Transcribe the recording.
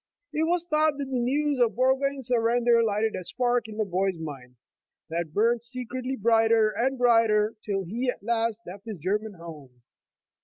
It was thought that the news of Burgoyne's surrender lighted a spark in the boy's mind, that burned secretly brighter and brighter, till he at last left his German home.